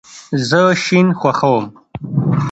زه شین خوښوم